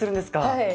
はい。